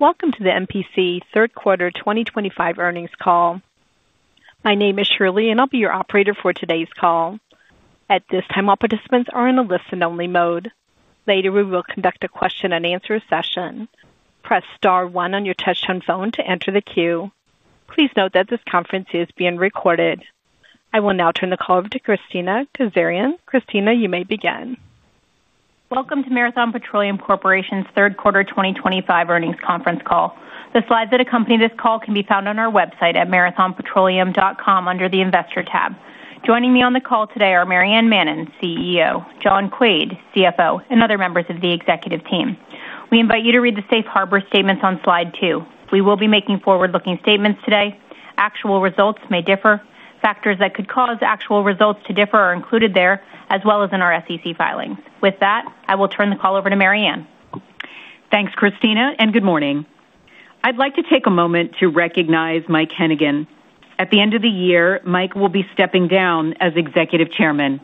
Welcome to the MPC third quarter 2025 earnings call. My name is Shirley, and I'll be your operator for today's call. At this time, all participants are in a listen-only mode. Later, we will conduct a question-and-answer session. Press star one on your touch-tone phone to enter the queue. Please note that this conference is being recorded. I will now turn the call over to Kristina Kazarian. Kristina, you may begin. Welcome to Marathon Petroleum Corporation's third quarter 2025 earnings conference call. The slides that accompany this call can be found on our website at marathonpetroleum.com under the investor tab. Joining me on the call today are Maryann Mannen, CEO, John Quaid, CFO, and other members of the executive team. We invite you to read the safe harbor statements on slide two. We will be making forward-looking statements today. Actual results may differ. Factors that could cause actual results to differ are included there, as well as in our SEC filings. With that, I will turn the call over to Maryann. Thanks, Kristina, and good morning. I'd like to take a moment to recognize Mike Hennigan. At the end of the year, Mike will be stepping down as Executive Chairman.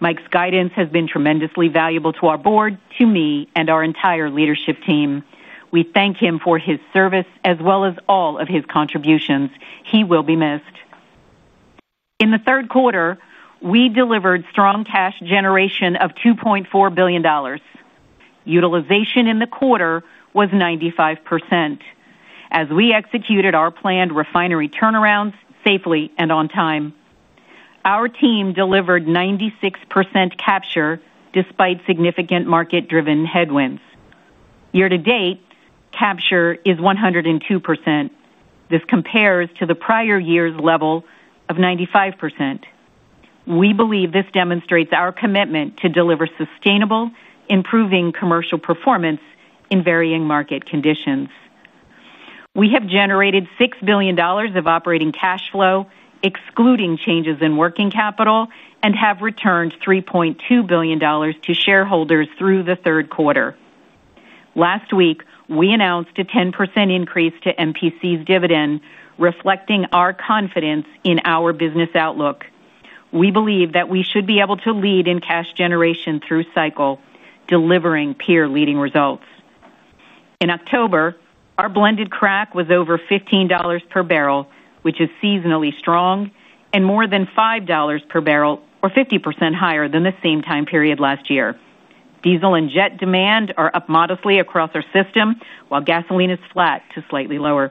Mike's guidance has been tremendously valuable to our board, to me, and our entire leadership team. We thank him for his service as well as all of his contributions. He will be missed. In the third quarter, we delivered strong cash generation of $2.4 billion. Utilization in the quarter was 95%. As we executed our planned refinery turnarounds safely and on time, our team delivered 96% capture despite significant market-driven headwinds. Year to date, capture is 102%. This compares to the prior year's level of 95%. We believe this demonstrates our commitment to deliver sustainable, improving commercial performance in varying market conditions. We have generated $6 billion of operating cash flow, excluding changes in working capital, and have returned $3.2 billion to shareholders through the third quarter. Last week, we announced a 10% increase to MPC's dividend, reflecting our confidence in our business outlook. We believe that we should be able to lead in cash generation through cycle, delivering peer-leading results. In October, our blended crack was over $15 per barrel, which is seasonally strong, and more than $5 per barrel, or 50% higher than the same time period last year. Diesel and jet demand are up modestly across our system, while gasoline is flat to slightly lower.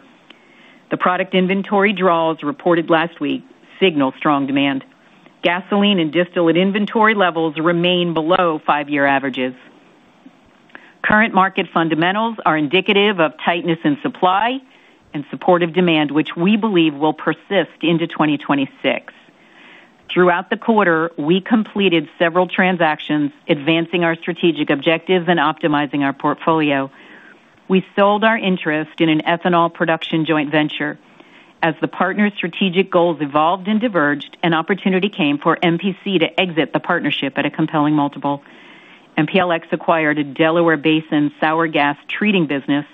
The product inventory draws reported last week signal strong demand. Gasoline and distillate inventory levels remain below five-year averages. Current market fundamentals are indicative of tightness in supply and supportive demand, which we believe will persist into 2026. Throughout the quarter, we completed several transactions, advancing our strategic objectives and optimizing our portfolio. We sold our interest in an ethanol production joint venture. As the partner's strategic goals evolved and diverged, an opportunity came for MPC to exit the partnership at a compelling multiple. MPLX acquired a Delaware Basin sour gas treating business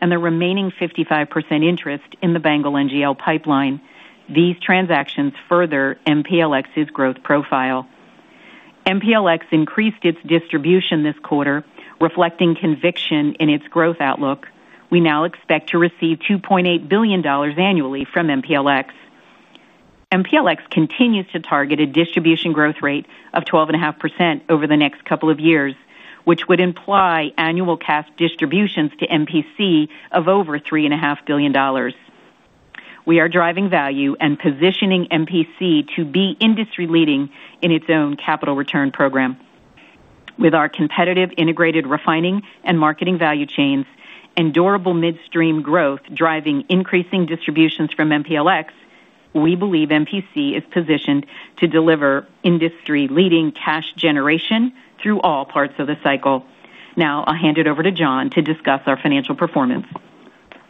and the remaining 55% interest in the Banegas NGL pipeline. These transactions further MPLX's growth profile. MPLX increased its distribution this quarter, reflecting conviction in its growth outlook. We now expect to receive $2.8 billion annually from MPLX. MPLX continues to target a distribution growth rate of 12.5% over the next couple of years, which would imply annual cash distributions to MPC of over $3.5 billion. We are driving value and positioning MPC to be industry-leading in its own capital return program. With our competitive integrated refining and marketing value chains and durable midstream growth driving increasing distributions from MPLX, we believe MPC is positioned to deliver industry-leading cash generation through all parts of the cycle. Now, I'll hand it over to John to discuss our financial performance.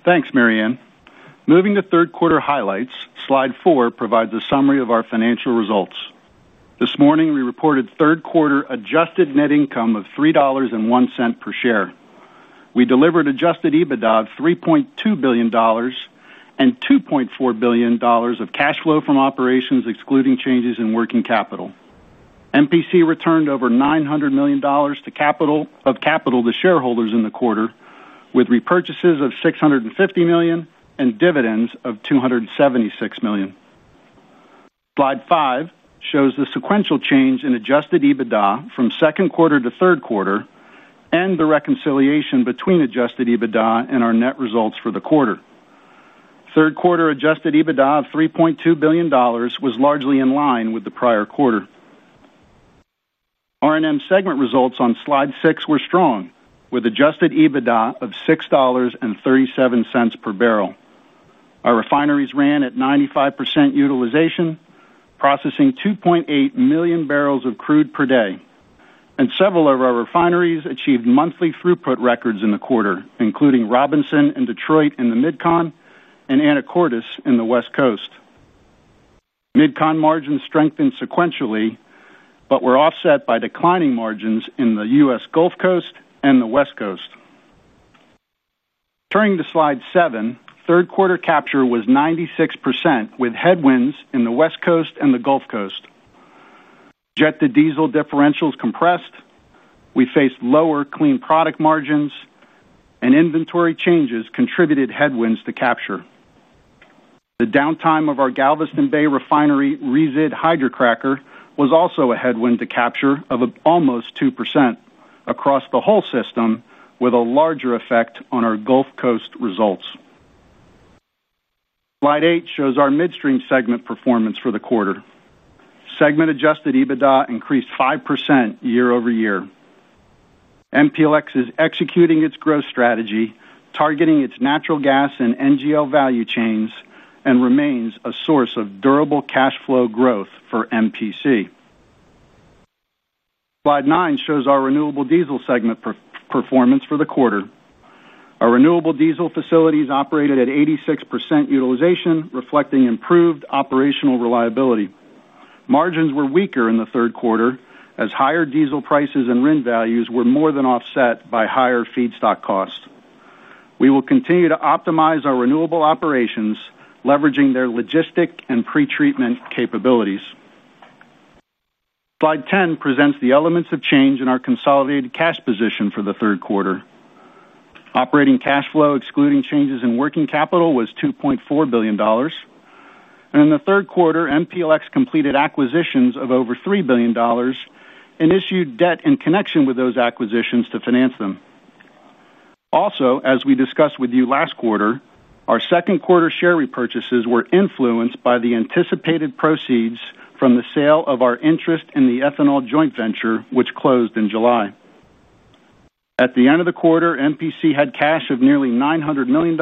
Thanks, Maryann. Moving to third quarter highlights, slide four provides a summary of our financial results. This morning, we reported third quarter adjusted net income of $3.01 per share. We delivered adjusted EBITDA of $3.2 billion and $2.4 billion of cash flow from operations, excluding changes in working capital. MPC returned over $900 million of capital to shareholders in the quarter, with repurchases of $650 million and dividends of $276 million. Slide five shows the sequential change in adjusted EBITDA from second quarter to third quarter and the reconciliation between adjusted EBITDA and our net results for the quarter. Third quarter adjusted EBITDA of $3.2 billion was largely in line with the prior quarter. R&M segment results on slide six were strong, with adjusted EBITDA of $6.37 per barrel. Our refineries ran at 95% utilization, processing 2.8 million barrels of crude per day, and several of our refineries achieved monthly throughput records in the quarter, including Robinson and Detroit in the Midcon and Anacortes in the West Coast. Midcon margins strengthened sequentially, but were offset by declining margins in the U.S. Gulf Coast and the West Coast. Turning to slide seven, third quarter capture was 96% with headwinds in the West Coast and the Gulf Coast. Jet to diesel differentials compressed. We faced lower clean product margins, and inventory changes contributed headwinds to capture. The downtime of our Galveston Bay refinery Resid Hydrocracker was also a headwind to capture of almost 2% across the whole system, with a larger effect on our Gulf Coast results. Slide eight shows our midstream segment performance for the quarter. Segment-adjusted EBITDA increased 5% year-over-year. MPLX is executing its growth strategy, targeting its natural gas and NGL value chains, and remains a source of durable cash flow growth for MPC. Slide nine shows our renewable diesel segment performance for the quarter. Our renewable diesel facilities operated at 86% utilization, reflecting improved operational reliability. Margins were weaker in the third quarter, as higher diesel prices and RIN values were more than offset by higher feedstock costs. We will continue to optimize our renewable operations, leveraging their logistics and pretreatment capabilities. Slide 10 presents the elements of change in our consolidated cash position for the third quarter. Operating cash flow, excluding changes in working capital, was $2.4 billion, and in the third quarter, MPLX completed acquisitions of over $3 billion and issued debt in connection with those acquisitions to finance them. Also, as we discussed with you last quarter, our second quarter share repurchases were influenced by the anticipated proceeds from the sale of our interest in the ethanol joint venture, which closed in July. At the end of the quarter, MPC had cash of nearly $900 million,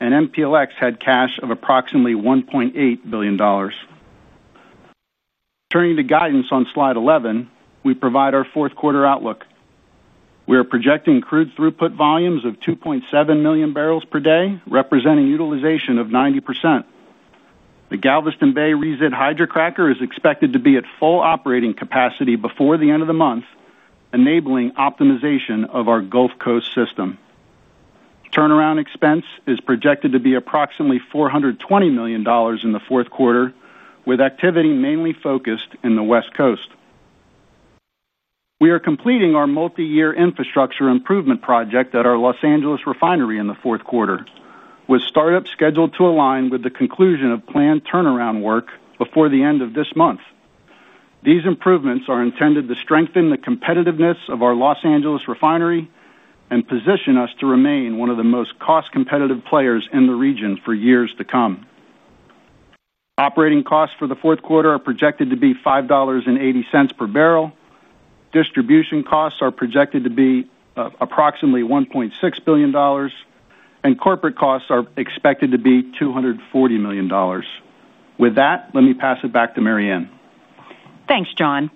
and MPLX had cash of approximately $1.8 billion. Turning to guidance on slide 11, we provide our fourth quarter outlook. We are projecting crude throughput volumes of 2.7 million barrels per day, representing utilization of 90%. The Galveston Bay REZID Hydrocracker is expected to be at full operating capacity before the end of the month, enabling optimization of our Gulf Coast system. Turnaround expense is projected to be approximately $420 million in the fourth quarter, with activity mainly focused in the West Coast. We are completing our multi-year infrastructure improvement project at our Los Angeles refinery in the fourth quarter, with startup scheduled to align with the conclusion of planned turnaround work before the end of this month. These improvements are intended to strengthen the competitiveness of our Los Angeles refinery and position us to remain one of the most cost-competitive players in the region for years to come. Operating costs for the fourth quarter are projected to be $5.80 per barrel. Distribution costs are projected to be approximately $1.6 billion, and corporate costs are expected to be $240 million. With that, let me pass it back to Maryann. Thanks, John.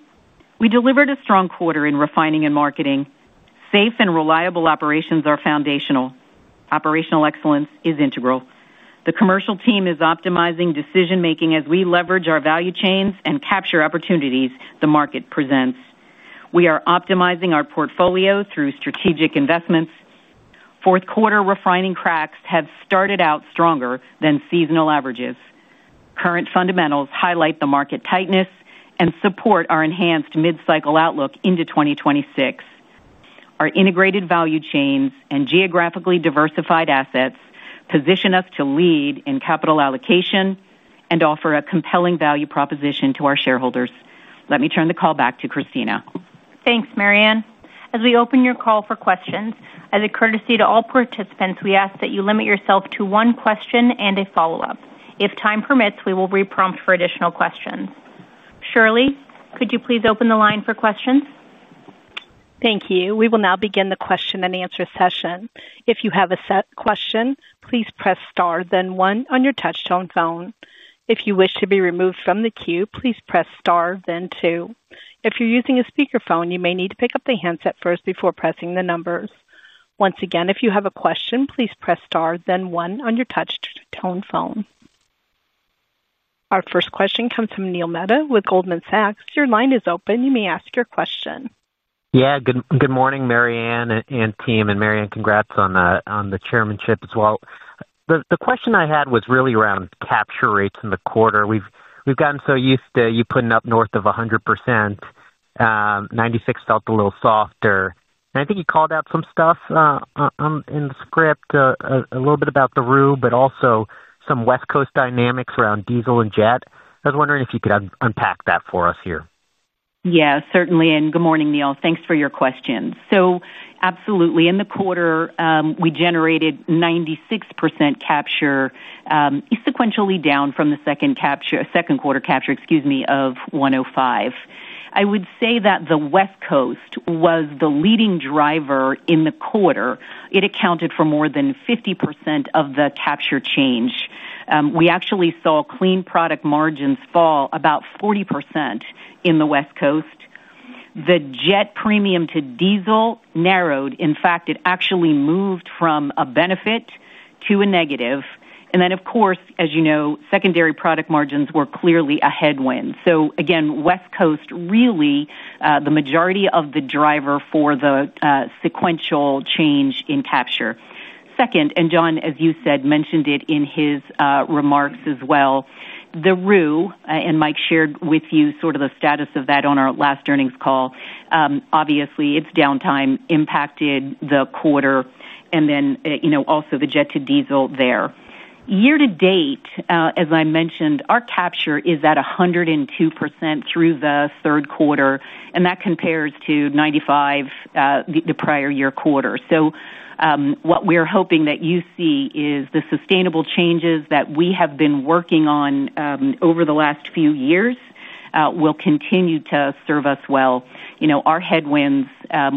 We delivered a strong quarter in refining and marketing. Safe and reliable operations are foundational. Operational excellence is integral. The commercial team is optimizing decision-making as we leverage our value chains and capture opportunities the market presents. We are optimizing our portfolio through strategic investments. Fourth quarter refining cracks have started out stronger than seasonal averages. Current fundamentals highlight the market tightness and support our enhanced mid-cycle outlook into 2026. Our integrated value chains and geographically diversified assets position us to lead in capital allocation and offer a compelling value proposition to our shareholders. Let me turn the call back to Kristina. Thanks, Maryann. As we open your call for questions, as a courtesy to all participants, we ask that you limit yourself to one question and a follow-up. If time permits, we will reprompt for additional questions. Shirley, could you please open the line for questions? Thank you. We will now begin the question-and-answer session. If you have a question, please press star, then one on your touch-tone phone. If you wish to be removed from the queue, please press star, then two. If you're using a speakerphone, you may need to pick up the handset first before pressing the numbers. Once again, if you have a question, please press star, then one on your touch-tone phone. Our first question comes from Neil Mehta with Goldman Sachs. Your line is open. You may ask your question. Yeah, good morning, Maryann and team. Maryann, congrats on the chairmanship as well. The question I had was really around capture rates in the quarter. We've gotten so used to you putting up north of 100%. 96% felt a little softer. I think you called out some stuff in the script, a little bit about the RUE, but also some West Coast dynamics around diesel and jet. I was wondering if you could unpack that for us here. Yeah, certainly. And good morning, Neil. Thanks for your questions. So absolutely, in the quarter, we generated 96% capture, sequentially down from the second quarter capture, excuse me, of 105%. I would say that the West Coast was the leading driver in the quarter. It accounted for more than 50% of the capture change. We actually saw clean product margins fall about 40% in the West Coast. The jet premium to diesel narrowed. In fact, it actually moved from a benefit to a negative. And then, of course, as you know, secondary product margins were clearly a headwind. So again, West Coast really the majority of the driver for the sequential change in capture. Second, and John, as you said, mentioned it in his remarks as well, the REZID, and Mike shared with you sort of the status of that on our last earnings call. Obviously, its downtime impacted the quarter, and then also the jet to diesel there. Year to date, as I mentioned, our capture is at 102% through the third quarter, and that compares to 95% the prior year quarter. So what we're hoping that you see is the sustainable changes that we have been working on over the last few years will continue to serve us well. Our headwinds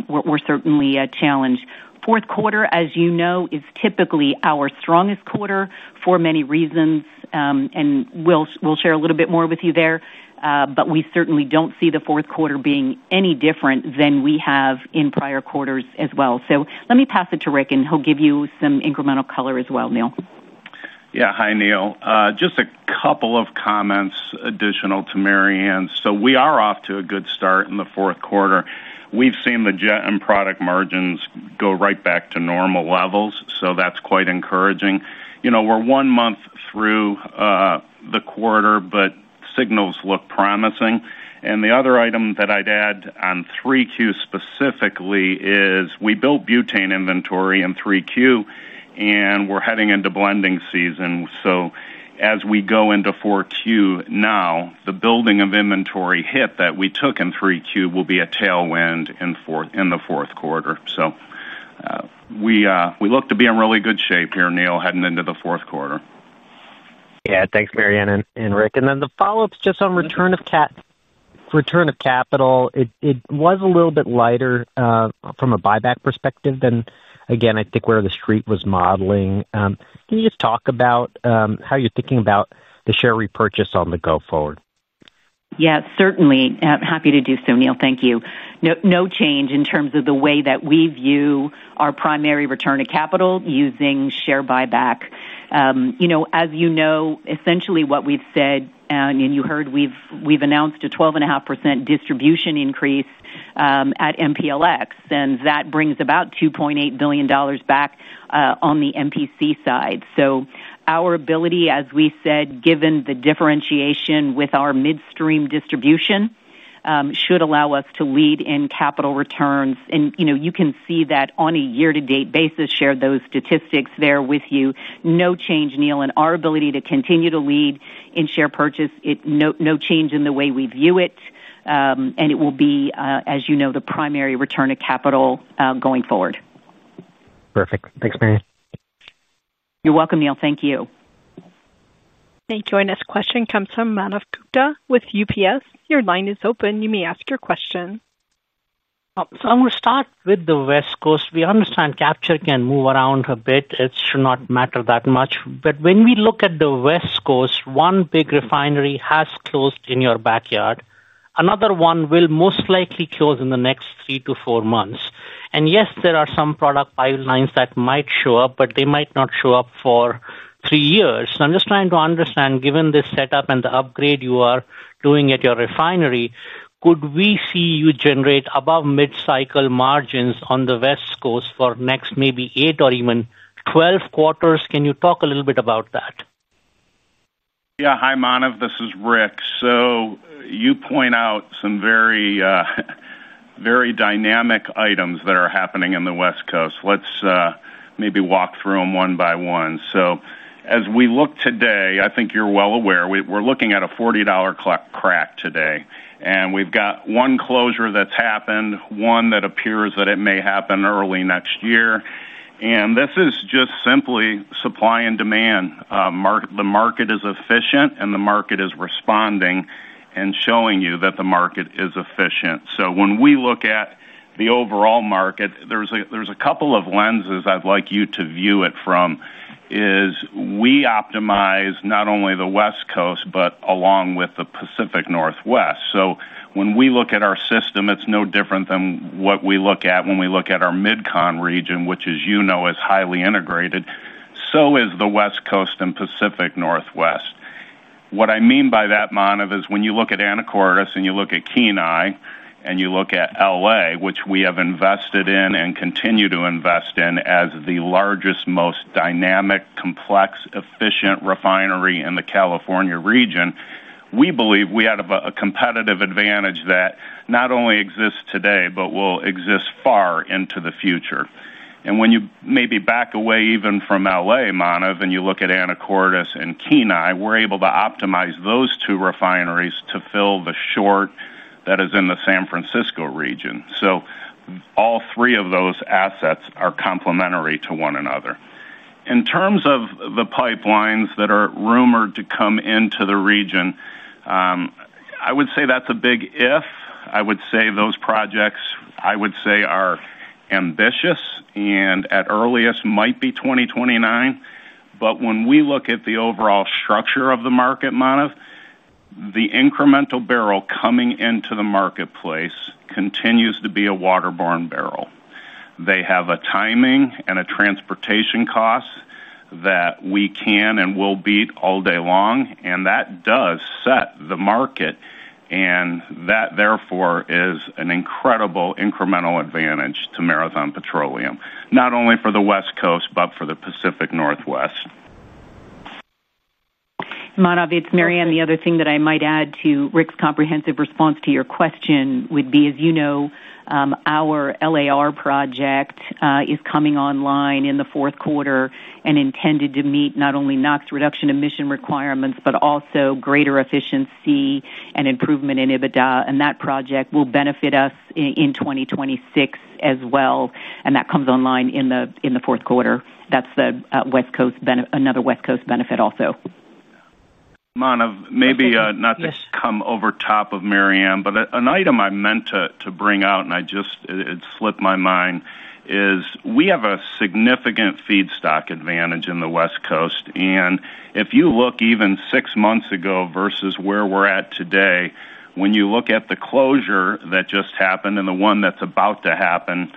were certainly a challenge. Fourth quarter, as you know, is typically our strongest quarter for many reasons, and we'll share a little bit more with you there. But we certainly don't see the fourth quarter being any different than we have in prior quarters as well. So let me pass it to Rick, and he'll give you some incremental color as well, Neil. Yeah, hi, Neil. Just a couple of comments additional to Maryann. So we are off to a good start in the fourth quarter. We've seen the jet and product margins go right back to normal levels, so that's quite encouraging. We're one month through the quarter, but signals look promising. And the other item that I'd add on 3Q specifically is we built butane inventory in 3Q, and we're heading into blending season. So as we go into 4Q now, the building of inventory hit that we took in 3Q will be a tailwind in the fourth quarter. So. We look to be in really good shape here, Neil, heading into the fourth quarter. Yeah, thanks, Maryann and Rick. And then the follow-ups just on return of capital. It was a little bit lighter from a buyback perspective than, again, I think where the street was modeling. Can you just talk about how you're thinking about the share repurchase going forward? Yeah, certainly. Happy to do so, Neil. Thank you. No change in terms of the way that we view our primary return of capital using share buyback. As you know, essentially what we've said, and you heard we've announced a 12.5% distribution increase at MPLX, and that brings about $2.8 billion back on the MPC side. So our ability, as we said, given the differentiation with our midstream distribution, should allow us to lead in capital returns. And you can see that on a year-to-date basis, share those statistics there with you. No change, Neil, in our ability to continue to lead in share purchase. No change in the way we view it. And it will be, as you know, the primary return of capital going forward. Perfect. Thanks, Maryann. You're welcome, Neil. Thank you. Our next question comes from Manav Gupta with UBS. Your line is open. You may ask your question. So I'm going to start with the West Coast. We understand capture can move around a bit. It should not matter that much. But when we look at the West Coast, one big refinery has closed in your backyard. Another one will most likely close in the next three to four months. And yes, there are some product pipelines that might show up, but they might not show up for three years. So I'm just trying to understand, given the setup and the upgrade you are doing at your refinery, could we see you generate above mid-cycle margins on the West Coast for next maybe eight or even 12 quarters? Can you talk a little bit about that? Yeah, hi, Manav. This is Rick. So you point out some very dynamic items that are happening in the West Coast. Let's maybe walk through them one by one. So as we look today, I think you're well aware, we're looking at a $40 crack today. And we've got one closure that's happened, one that appears that it may happen early next year. And this is just simply supply and demand. The market is efficient, and the market is responding and showing you that the market is efficient. So when we look at the overall market, there's a couple of lenses I'd like you to view it from. One is we optimize not only the West Coast, but along with the Pacific Northwest. So when we look at our system, it's no different than what we look at when we look at our Midcon region, which, as you know, is highly integrated. So is the West Coast and Pacific Northwest. What I mean by that, Manav, is when you look at Anacortes and you look at Kenai and you look at LA, which we have invested in and continue to invest in as the largest, most dynamic, complex, efficient refinery in the California region, we believe we have a competitive advantage that not only exists today, but will exist far into the future. And when you maybe back away even from LA, Manav, and you look at Anacortes and Kenai, we're able to optimize those two refineries to fill the shortage that is in the San Francisco region. So all three of those assets are complementary to one another. In terms of the pipelines that are rumored to come into the region, I would say that's a big if. I would say those projects, I would say, are ambitious and at earliest might be 2029. But when we look at the overall structure of the market, Manav, the incremental barrel coming into the marketplace continues to be a waterborne barrel. They have a timing and a transportation cost that we can and will beat all day long. And that does set the market. And that, therefore, is an incredible incremental advantage to Marathon Petroleum, not only for the West Coast, but for the Pacific Northwest. Manav, it's Maryann. The other thing that I might add to Rick's comprehensive response to your question would be, as you know, our LAR project is coming online in the fourth quarter and intended to meet not only NOx reduction emission requirements, but also greater efficiency and improvement in EBITDA. That project will benefit us in 2026 as well. That comes online in the fourth quarter. That's another West Coast benefit also. Manav, maybe not to come over top of Maryann, but an item I meant to bring out and it slipped my mind is we have a significant feedstock advantage in the West Coast. If you look even six months ago versus where we're at today, when you look at the closure that just happened and the one that's about to happen,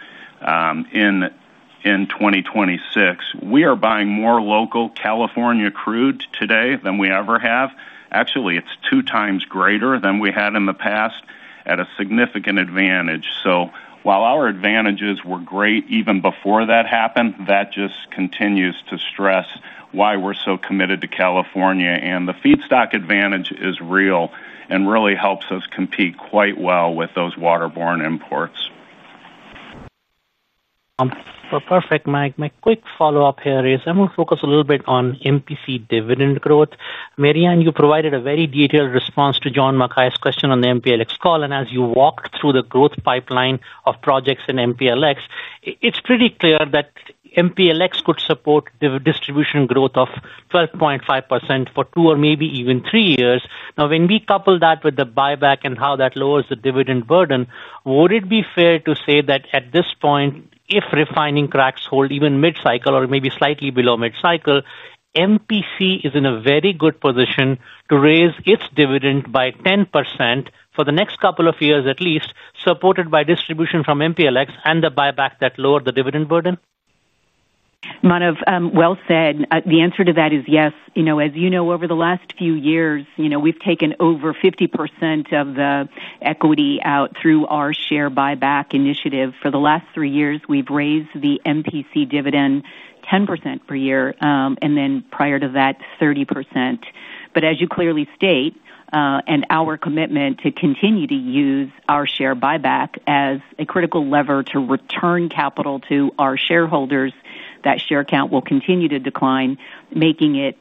in 2026 we are buying more local California crude today than we ever have. Actually, it's two times greater than we had in the past at a significant advantage. So while our advantages were great even before that happened, that just continues to stress why we're so committed to California. The feedstock advantage is real and really helps us compete quite well with those waterborne imports. Perfect, Mike, my quick follow-up here is I'm going to focus a little bit on MPC dividend growth. Maryann, you provided a very detailed response to John McKay's question on the MPLX call, and as you walked through the growth pipeline of projects in MPLX, it's pretty clear that MPLX could support the distribution growth of 12.5% for two or maybe even three years. Now, when we couple that with the buyback and how that lowers the dividend burden, would it be fair to say that at this point, if refining cracks hold even mid-cycle or maybe slightly below mid-cycle, MPC is in a very good position to raise its dividend by 10% for the next couple of years at least, supported by distribution from MPLX and the buyback that lowered the dividend burden? Manav, well said. The answer to that is yes. As you know, over the last few years, we've taken over 50% of the equity out through our share buyback initiative. For the last three years, we've raised the MPC dividend 10% per year, and then prior to that, 30%. But as you clearly state, and our commitment to continue to use our share buyback as a critical lever to return capital to our shareholders, that share count will continue to decline, making it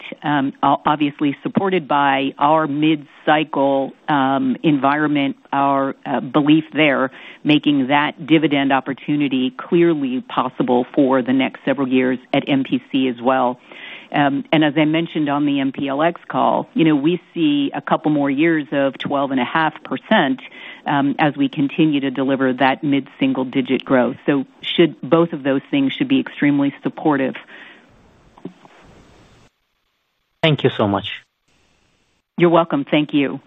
obviously supported by our mid-cycle environment, our belief there, making that dividend opportunity clearly possible for the next several years at MPC as well. And as I mentioned on the MPLX call, we see a couple more years of 12.5%. As we continue to deliver that mid-single digit growth. So both of those things should be extremely supportive. Thank you so much. You're welcome. Thank you.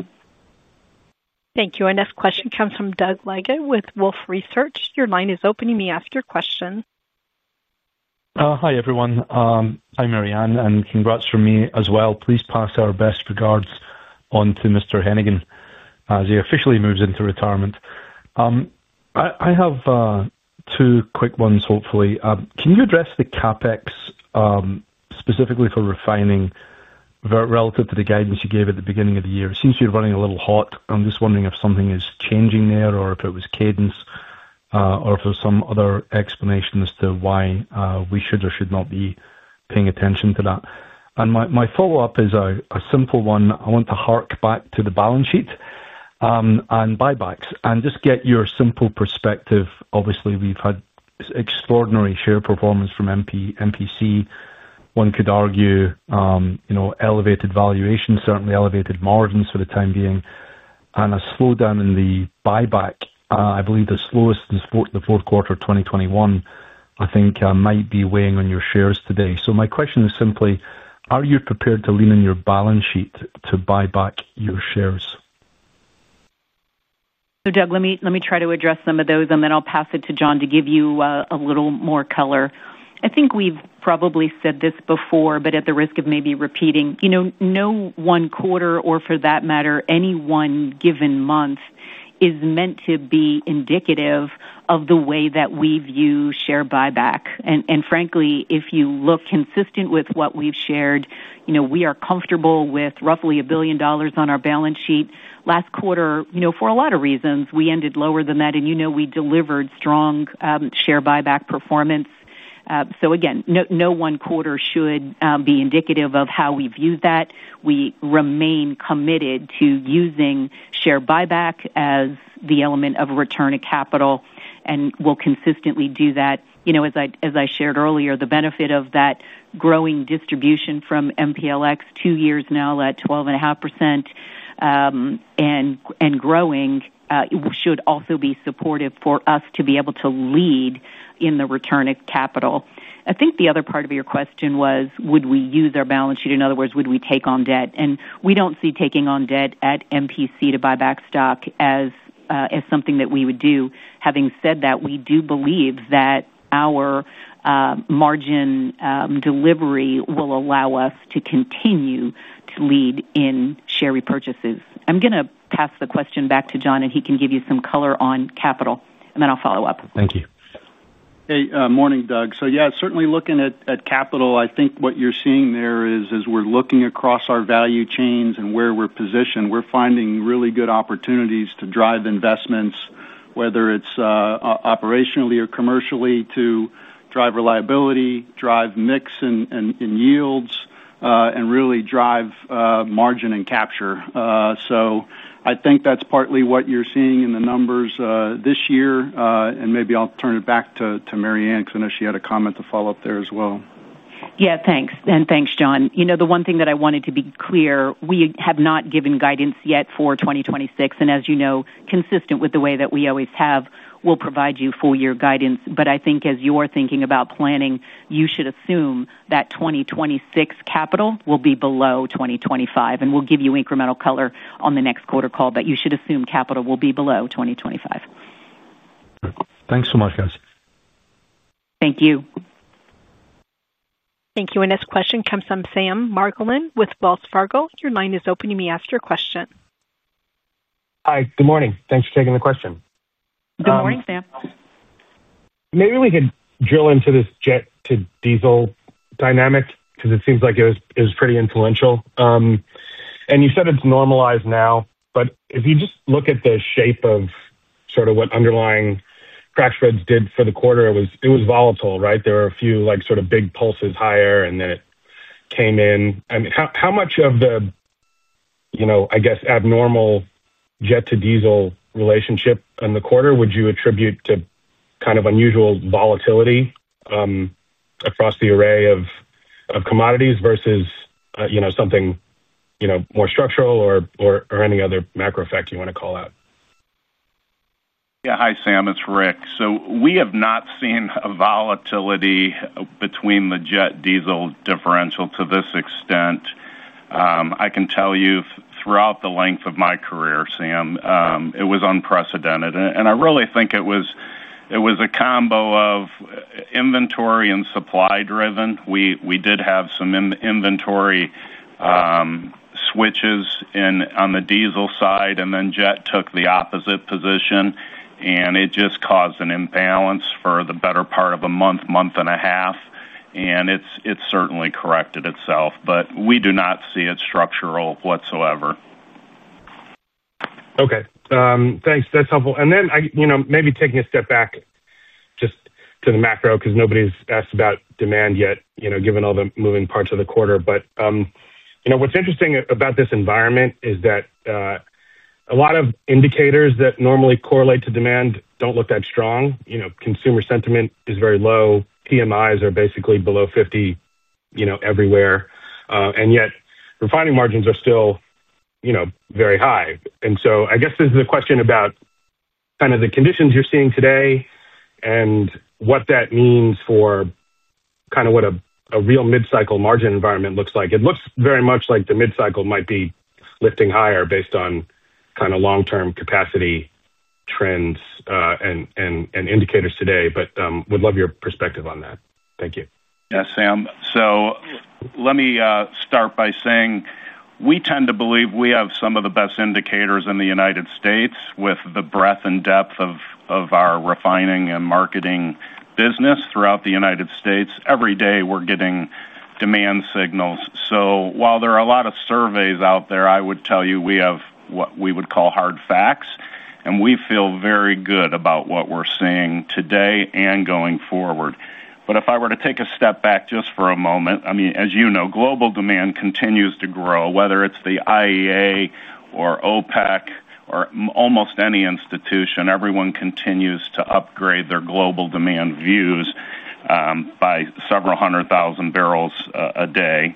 Thank you. Our next question comes from Doug Leggate with Wolfe Research. Your line is open. You may ask your question. Hi, everyone. Hi, Maryann. And congrats from me as well. Please pass our best regards on to Mr. Hennigan as he officially moves into retirement. I have two quick ones, hopefully. Can you address the CapEx specifically for refining relative to the guidance you gave at the beginning of the year? It seems you're running a little hot. I'm just wondering if something is changing there or if it was cadence or if there's some other explanation as to why we should or should not be paying attention to that, and my follow-up is a simple one. I want to hark back to the balance sheet and buybacks and just get your simple perspective. Obviously, we've had extraordinary share performance from MPC. One could argue elevated valuation, certainly elevated margins for the time being, and a slowdown in the buyback. I believe the slowest in the fourth quarter of 2021, I think, might be weighing on your shares today. So my question is simply, are you prepared to lean in your balance sheet to buy back your shares? So, Doug, let me try to address some of those, and then I'll pass it to John to give you a little more color. I think we've probably said this before, but at the risk of maybe repeating, no one quarter or for that matter, any one given month is meant to be indicative of the way that we view share buyback. And frankly, if you look consistent with what we've shared, we are comfortable with roughly $1 billion on our balance sheet last quarter for a lot of reasons. We ended lower than that, and we delivered strong share buyback performance. So again, no one quarter should be indicative of how we view that. We remain committed to using share buyback as the element of return of capital and will consistently do that. As I shared earlier, the benefit of that growing distribution from MPLX two years now at 12.5%. And growing should also be supportive for us to be able to lead in the return of capital. I think the other part of your question was, would we use our balance sheet? In other words, would we take on debt? And we don't see taking on debt at MPC to buy back stock as something that we would do. Having said that, we do believe that our margin delivery will allow us to continue to lead in share repurchases. I'm going to pass the question back to John, and he can give you some color on capital, and then I'll follow up. Thank you. Hey, morning, Doug. So yeah, certainly looking at capital, I think what you're seeing there is, as we're looking across our value chains and where we're positioned, we're finding really good opportunities to drive investments, whether it's operationally or commercially, to drive reliability, drive mix and yields, and really drive margin and capture. So I think that's partly what you're seeing in the numbers this year. And maybe I'll turn it back to Maryann because I know she had a comment to follow up there as well. Yeah, thanks. And thanks, John. The one thing that I wanted to be clear, we have not given guidance yet for 2026. And as you know, consistent with the way that we always have, we'll provide you full-year guidance. But I think as you're thinking about planning, you should assume that 2026 capital will be below 2025. And we'll give you incremental color on the next quarter call, but you should assume capital will be below 2025. Thanks so much, guys. Thank you. Thank you. Our next question comes from Sam Margolin with Wells Fargo. Your line is open. You may ask your question. Hi, good morning. Thanks for taking the question. Good morning, Sam. Maybe we could drill into this jet to diesel dynamic because it seems like it was pretty influential. You said it's normalized now, but if you just look at the shape of sort of what underlying crack spreads did for the quarter, it was volatile, right? There were a few sort of big pulses higher, and then it came in. How much of the, I guess, abnormal jet to diesel relationship in the quarter would you attribute to kind of unusual volatility across the array of commodities versus something more structural or any other macro effect you want to call out? Yeah. Hi, Sam. It's Rick. So we have not seen a volatility between the jet diesel differential to this extent. I can tell you throughout the length of my career, Sam. It was unprecedented. And I really think it was a combo of inventory and supply driven. We did have some inventory switches on the diesel side, and then jet took the opposite position. And it just caused an imbalance for the better part of a month, month and a half. And it's certainly corrected itself, but we do not see it structural whatsoever. Okay. Thanks. That's helpful. And then maybe taking a step back. Just to the macro because nobody's asked about demand yet, given all the moving parts of the quarter. But. What's interesting about this environment is that. A lot of indicators that normally correlate to demand don't look that strong. Consumer sentiment is very low. PMIs are basically below 50 everywhere. And yet refining margins are still. Very high. And so I guess this is a question about. Kind of the conditions you're seeing today and what that means for. Kind of what a real mid-cycle margin environment looks like. It looks very much like the mid-cycle might be lifting higher based on kind of long-term capacity trends and indicators today, but would love your perspective on that. Thank you. Yes, Sam. So let me start by saying we tend to believe we have some of the best indicators in the United States with the breadth and depth of our refining and marketing business throughout the United States. Every day we're getting demand signals. So while there are a lot of surveys out there, I would tell you we have what we would call hard facts, and we feel very good about what we're seeing today and going forward. But if I were to take a step back just for a moment, I mean, as you know, global demand continues to grow, whether it's the IEA or OPEC or almost any institution, everyone continues to upgrade their global demand views by several hundred thousand barrels a day.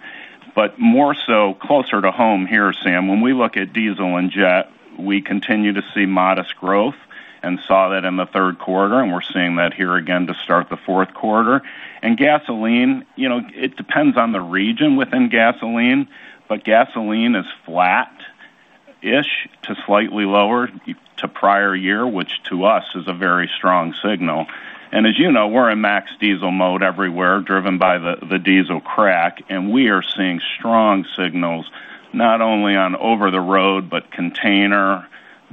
But more so closer to home here, Sam, when we look at diesel and jet, we continue to see modest growth and saw that in the third quarter, and we're seeing that here again to start the fourth quarter. And gasoline, it depends on the region within gasoline, but gasoline is flat-ish to slightly lower to prior year, which to us is a very strong signal. And as you know, we're in max diesel mode everywhere driven by the diesel crack, and we are seeing strong signals not only on over-the-road, but container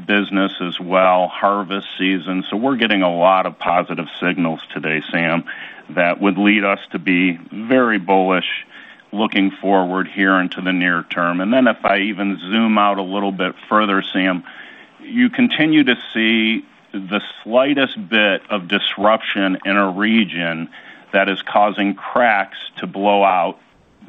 business as well, harvest season. So we're getting a lot of positive signals today, Sam, that would lead us to be very bullish looking forward here into the near term. And then if I even zoom out a little bit further, Sam, you continue to see the slightest bit of disruption in a region that is causing cracks to blow out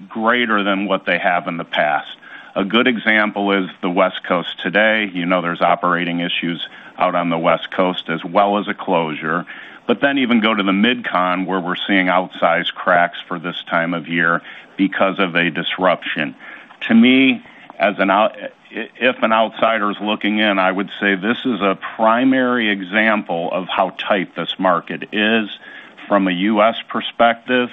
greater than what they have in the past. A good example is the West Coast today. There's operating issues out on the West Coast as well as a closure. But then even go to the MidCon, where we're seeing outsized cracks for this time of year because of a disruption. To me, if an outsider is looking in, I would say this is a primary example of how tight this market is from a U.S. perspective.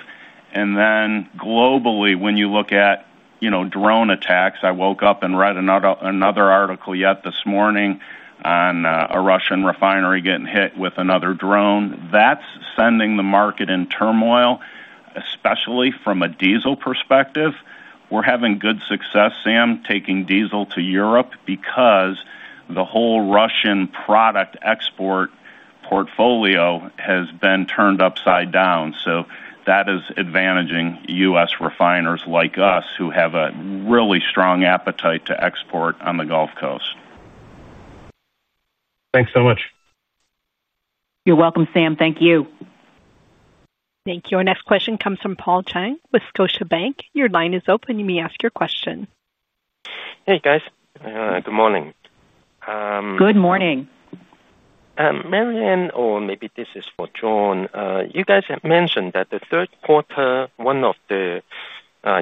And then globally, when you look at drone attacks, I woke up and read another article yet this morning on a Russian refinery getting hit with another drone. That's sending the market in turmoil, especially from a diesel perspective. We're having good success, Sam, taking diesel to Europe because the whole Russian product export portfolio has been turned upside down. So that is advantaging U.S. refiners like us who have a really strong appetite to export on the Gulf Coast. Thanks so much. You're welcome, Sam. Thank you. Thank you. Our next question comes from Paul Cheng with Scotiabank. Your line is open. You may ask your question. Hey, guys. Good morning. Good morning. Maryann, or maybe this is for John, you guys have mentioned that the third quarter, one of the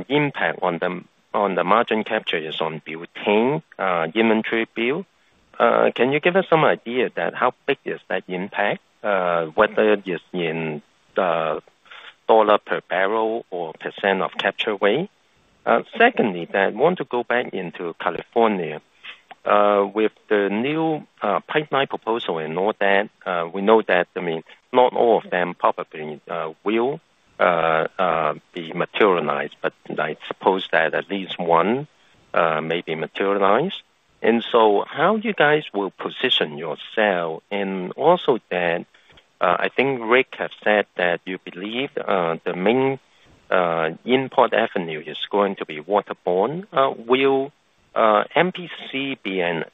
impacts on the margin capture is inventory build. Can you give us some idea that how big is that impact, whether it is in dollar per barrel or percent of capture weight? Secondly, I want to go back into California. With the new pipeline proposal and all that, we know that, I mean, not all of them probably will be materialized, but I suppose that at least one may be materialized. And so how you guys will position yourself and also that I think Rick has said that you believe the main import avenue is going to be waterborne. Will MPC be an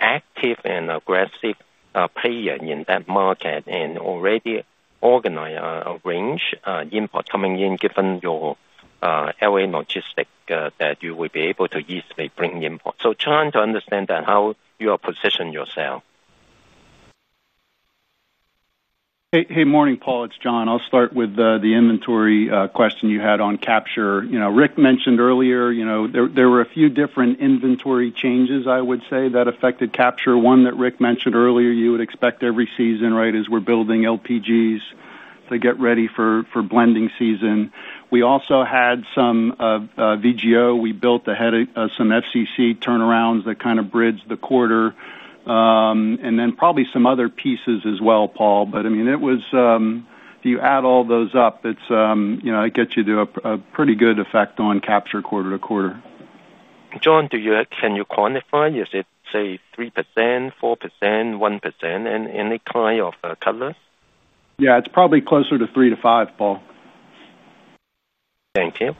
active and aggressive player in that market and already organize a range of imports coming in given your LA logistics that you will be able to easily bring imports? So trying to understand how you are positioning yourself. Hey, morning, Paul. It's John. I'll start with the inventory question you had on capture. Rick mentioned earlier, there were a few different inventory changes, I would say, that affected capture. One that Rick mentioned earlier, you would expect every season, right, as we're building LPGs to get ready for blending season. We also had some VGO. We built ahead of some FCC turnarounds that kind of bridged the quarter. And then probably some other pieces as well, Paul. But I mean, it was. If you add all those up, it gets you to a pretty good effect on capture quarter-to-quarter. John, can you quantify? Is it, say, 3%, 4%, 1%, and any kind of colors? Yeah, it's probably closer to 3%-5% Paul. Thank you.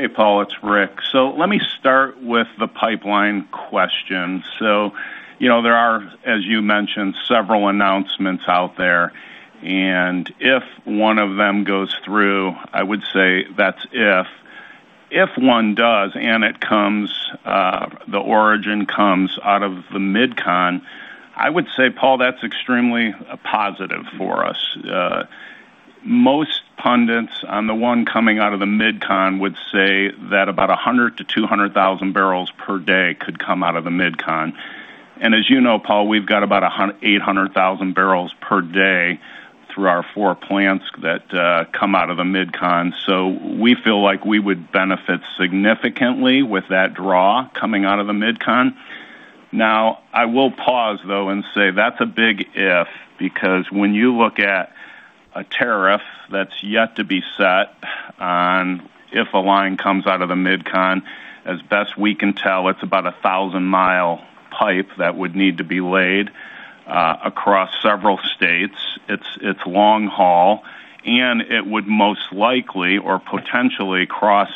Hey, Paul, it's Rick. So let me start with the pipeline question. So there are, as you mentioned, several announcements out there. And if one of them goes through, I would say that's a big if. If one does and it comes, the origin comes out of the MidCon, I would say, Paul, that's extremely positive for us. Most pundits on the one coming out of the MidCon would say that about 100,000-200,000 barrels per day could come out of the MidCon. And as you know, Paul, we've got about 800,000 barrels per day through our four plants that come out of the MidCon. So we feel like we would benefit significantly with that draw coming out of the MidCon. Now, I will pause, though, and say that's a big if because when you look at a tariff that's yet to be set on if a line comes out of the MidCon, as best we can tell, it's about a 1,000-mile pipe that would need to be laid across several states. It's long haul, and it would most likely or potentially cross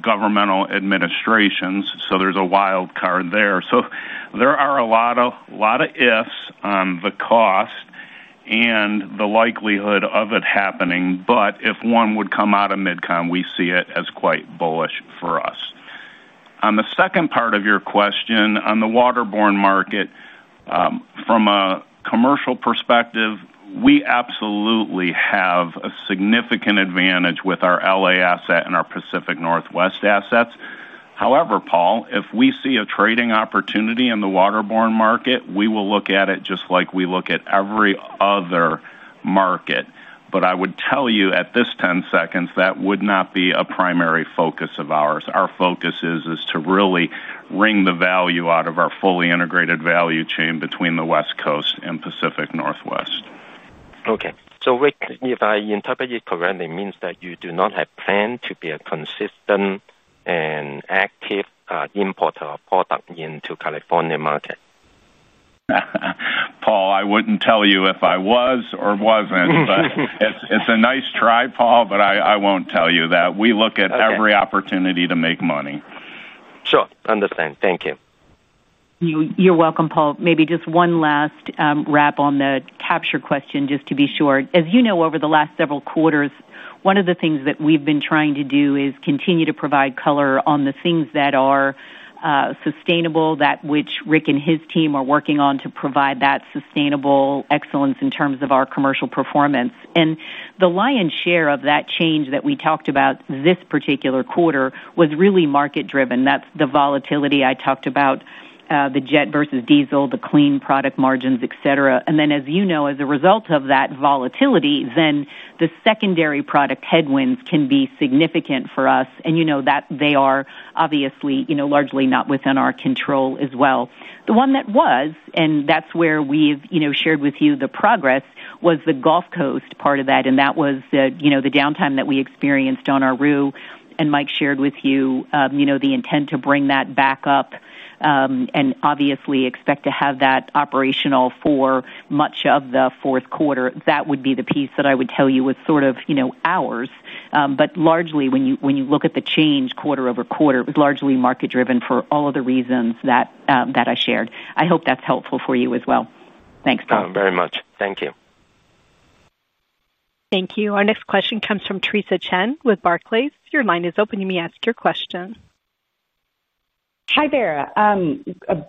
governmental administrations. So there's a wild card there. So there are a lot of ifs on the cost and the likelihood of it happening. But if one would come out of MidCon, we see it as quite bullish for us. On the second part of your question, on the waterborne market. From a commercial perspective, we absolutely have a significant advantage with our LA asset and our Pacific Northwest assets. However, Paul, if we see a trading opportunity in the waterborne market, we will look at it just like we look at every other market. But I would tell you at this juncture, that would not be a primary focus of ours. Our focus is to really wring the value out of our fully integrated value chain between the West Coast and Pacific Northwest. Okay. So Rick, if I interpret you correctly, it means that you do not have planned to be a consistent and active importer of product into the California market. Paul, I wouldn't tell you if I was or wasn't. But it's a nice try, Paul, but I won't tell you that. We look at every opportunity to make money. Sure. Understand. Thank you. You're welcome, Paul. Maybe just one last wrap on the capture question, just to be sure. As you know, over the last several quarters, one of the things that we've been trying to do is continue to provide color on the things that are sustainable, that which Rick and his team are working on to provide that sustainable excellence in terms of our commercial performance. And the lion's share of that change that we talked about this particular quarter was really market-driven. That's the volatility I talked about, the jet versus diesel, the clean product margins, etc. And then, as you know, as a result of that volatility, then the secondary product headwinds can be significant for us. And you know that they are obviously largely not within our control as well. The one that was, and that's where we've shared with you the progress, was the Gulf Coast part of that. And that was the downtime that we experienced on our RUE. And Mike shared with you the intent to bring that back up. And obviously expect to have that operational for much of the fourth quarter. That would be the piece that I would tell you was sort of ours. But largely, when you look at the change quarter-over-quarter, it was largely market-driven for all of the reasons that I shared. I hope that's helpful for you as well. Thanks, Paul. Very much. Thank you. Thank you. Our next question comes from Theresa Chen with Barclays. Your line is open. You may ask your question. Hi, Vera.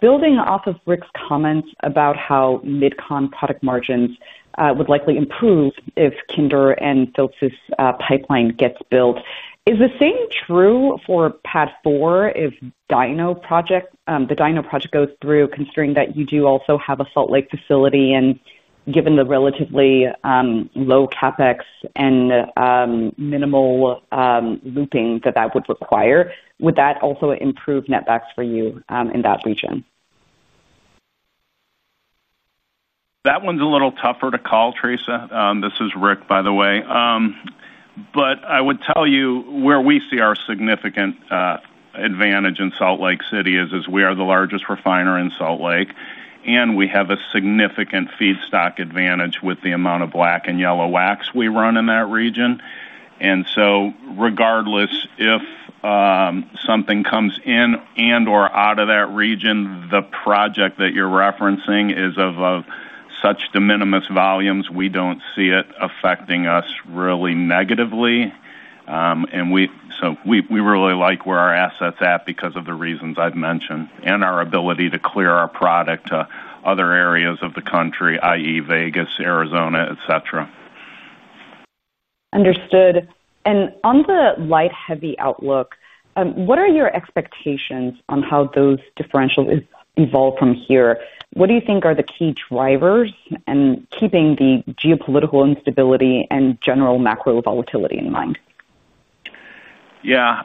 Building off of Rick's comments about how MidCon product margins would likely improve if Kinder Morgan and Phillips 66's pipeline gets built, is the same true for PADD 4 if the Dino project goes through, considering that you do also have a Salt Lake facility and given the relatively low CapEx and minimal looping that would require, would that also improve netbacks for you in that region? That one's a little tougher to call, Theresa. This is Rick, by the way. But I would tell you where we see our significant advantage in Salt Lake City is we are the largest refiner in Salt Lake. And we have a significant feedstock advantage with the amount of black and yellow wax we run in that region. And so regardless if something comes in and/or out of that region, the project that you're referencing is of such de minimis volumes, we don't see it affecting us really negatively. And so we really like where our assets at because of the reasons I've mentioned and our ability to clear our product to other areas of the country, i.e., Vegas, Arizona, etc. Understood. And on the light-heavy outlook, what are your expectations on how those differentials evolve from here? What do you think are the key drivers in keeping the geopolitical instability and general macro volatility in mind? Yeah.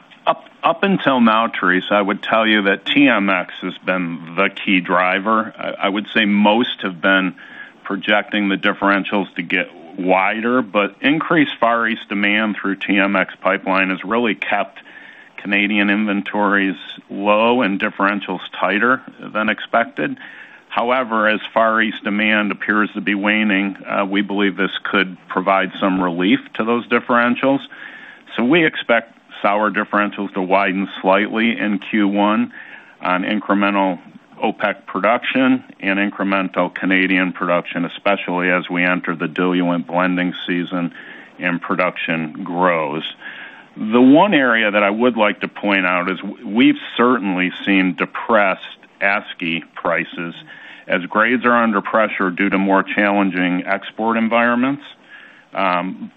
Up until now, Theresa, I would tell you that TMX has been the key driver. I would say most have been projecting the differentials to get wider, but increased Far East demand through TMX pipeline has really kept Canadian inventories low and differentials tighter than expected. However, as Far East demand appears to be waning, we believe this could provide some relief to those differentials. So we expect sour differentials to widen slightly in Q1 on incremental OPEC production and incremental Canadian production, especially as we enter the diluent blending season and production grows. The one area that I would like to point out is we've certainly seen depressed WCS prices as grades are under pressure due to more challenging export environments,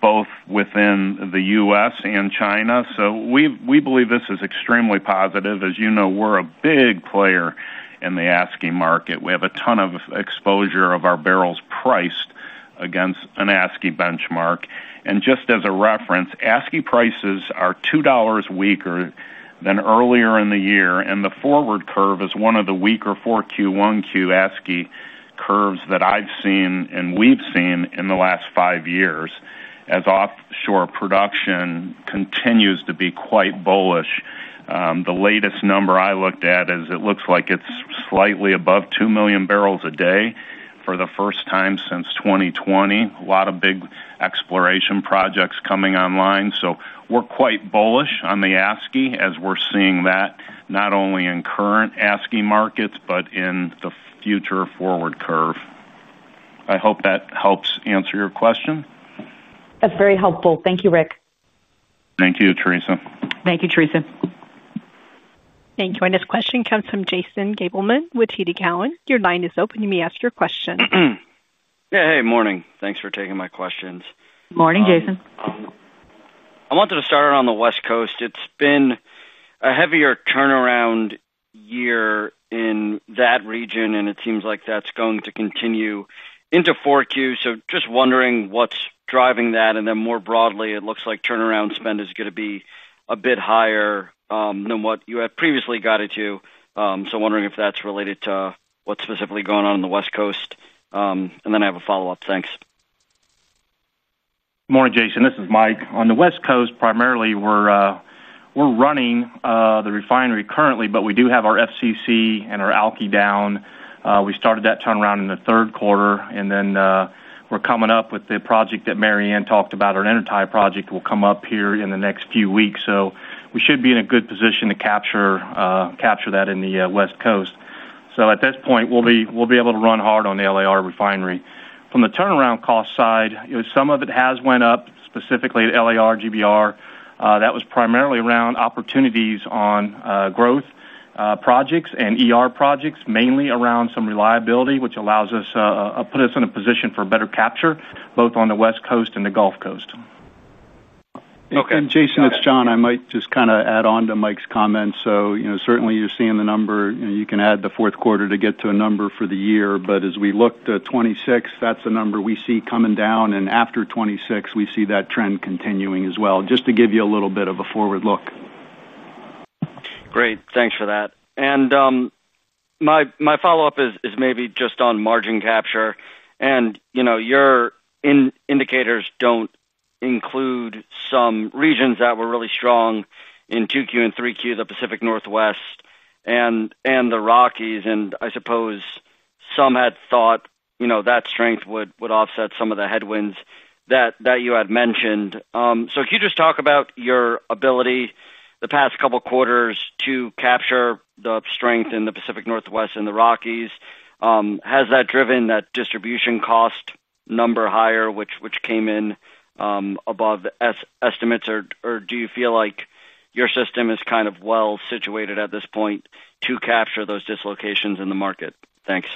both within the U.S. and China. So we believe this is extremely positive. As you know, we're a big player in the WCS market. We have a ton of exposure of our barrels priced against a WCS benchmark. And just as a reference, WCS prices are $2 weaker than earlier in the year. And the forward curve is one of the weaker 4Q-1Q WCS curves that I've seen and we've seen in the last five years as offshore production continues to be quite bullish. The latest number I looked at is it looks like it's slightly above 2 million barrels a day for the first time since 2020. A lot of big exploration projects coming online. So we're quite bullish on the WCS as we're seeing that not only in current WCS markets, but in the future forward curve. I hope that helps answer your question. That's very helpful. Thank you, Rick. Thank you, Theresa. Thank you, Theresa. Thank you. Our next question comes from Jason Gabelman with TD Cowen. Your line is open. You may ask your question. Yeah. Hey, morning. Thanks for taking my questions. Morning, Jason. I wanted to start on the West Coast. It's been a heavier turnaround year in that region, and it seems like that's going to continue into 4Q. So just wondering what's driving that. And then more broadly, it looks like turnaround spend is going to be a bit higher than what you had previously got it to. So wondering if that's related to what's specifically going on in the West Coast. And then I have a follow-up. Thanks. Morning, Jason. This is Mike. On the West Coast, primarily, we're running the refinery currently, but we do have our FCC and our Alky down. We started that turnaround in the third quarter. And then we're coming up with the project that Maryann talked about, our intertie project, will come up here in the next few weeks. So we should be in a good position to capture that in the West Coast. So at this point, we'll be able to run hard on the LAR refinery. From the turnaround cost side, some of it has went up, specifically at LAR, GBR. That was primarily around opportunities on growth projects and projects, mainly around some reliability, which allows us to put us in a position for better capture, both on the West Coast and the Gulf Coast. And Jason, it's John. I might just kind of add on to Mike's comments. So certainly, you're seeing the number. You can add the fourth quarter to get to a number for the year. But as we look to 2026, that's the number we see coming down. And after 2026, we see that trend continuing as well, just to give you a little bit of a forward look. Great. Thanks for that. My follow-up is maybe just on margin capture. Your indicators don't include some regions that were really strong in 2Q and 3Q, the Pacific Northwest and the Rockies. I suppose some had thought that strength would offset some of the headwinds that you had mentioned. So can you just talk about your ability the past couple of quarters to capture the strength in the Pacific Northwest and the Rockies? Has that driven that distribution cost number higher, which came in above estimates, or do you feel like your system is kind of well situated at this point to capture those dislocations in the market? Thanks.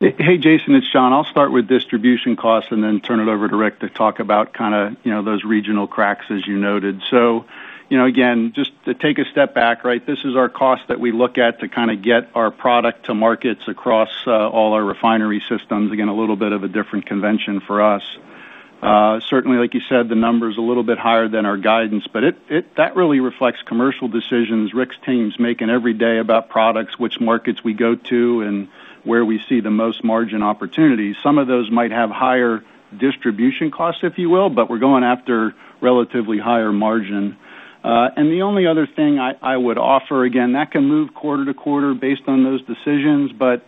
Hey, Jason, it's John. I'll start with distribution costs and then turn it over to Rick to talk about kind of those regional cracks, as you noted. So again, just to take a step back, right? This is our cost that we look at to kind of get our product to markets across all our refinery systems. Again, a little bit of a different convention for us. Certainly, like you said, the number is a little bit higher than our guidance, but that really reflects commercial decisions. Rick's team's making every day about products, which markets we go to, and where we see the most margin opportunities. Some of those might have higher distribution costs, if you will, but we're going after relatively higher margin. And the only other thing I would offer, again, that can move quarter-to-quarter based on those decisions, but